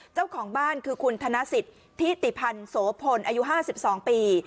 เจ้าของบ้านคือคุณธนสิทธิติพันธ์โสพลอายุ๕๒ปี